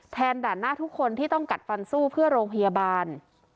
ด่านหน้าทุกคนที่ต้องกัดฟันสู้เพื่อโรงพยาบาล